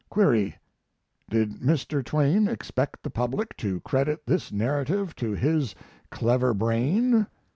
Query: Did Mr. Twain expect the public to credit this narrative to his clever brain?